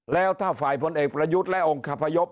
แล้วถ้าฝ่ายพลเอกประยุทธ์และองค์คพยพ